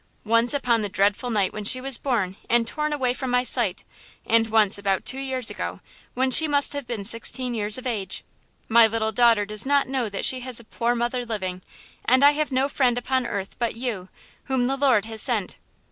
–once upon the dreadful night when she was born and torn away from my sight and once about two years ago, when she must have been sixteen years of age. My little daughter does not know that she has a poor mother living, and I have no friend upon earth but you, whom the Lord has sent."